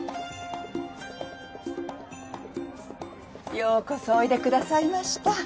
ようこそおいでくださいました。